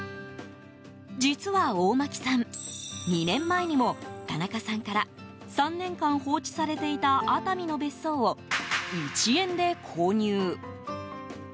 実は大巻さん、２年前にも田中さんから３年間放置されていた熱海の別荘を１円で購入。